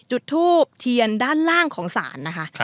จุดทูบเทียนด้านล่างของศาลนะคะ